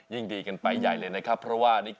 ยิ่งดีกันไปใหญ่เลยนะครับ